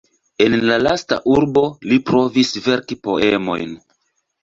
En la lasta urbo li provis verki poemojn.